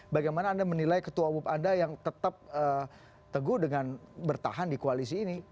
bagaimana anda menilai ketua umum anda yang tetap teguh dengan bertahan di koalisi ini